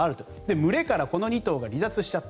群れから２頭離脱しちゃった。